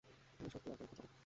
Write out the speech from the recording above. উনি সত্যিই একজন ভদ্র লোক।